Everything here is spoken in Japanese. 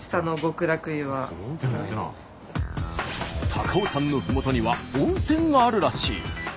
高尾山のふもとには温泉があるらしい。